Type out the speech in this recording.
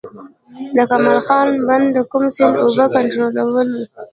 د کمال خان بند د کوم سیند اوبه کنټرولوي؟